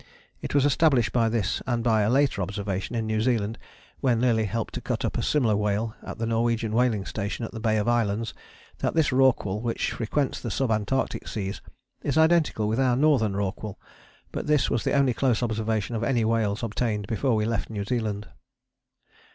It was established by this and by a later observation in New Zealand, when Lillie helped to cut up a similar whale at the Norwegian Whaling Station at the Bay of Islands, that this Rorqual which frequents the sub Antarctic seas is identical with our Northern Rorqual; but this was the only close observation of any whales obtained before we left New Zealand.